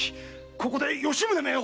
ここで吉宗めを！